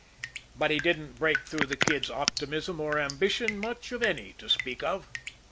But he didn't break through the Kid's optimism or ambition much of any to speak of.